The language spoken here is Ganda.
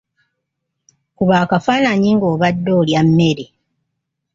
Kuba akafaananyi ng'obadde olya mmere.